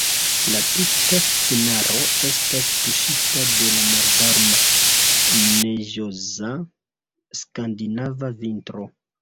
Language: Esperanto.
La tuta scenaro estas tuŝita de la malvarma neĝoza skandinava vintro.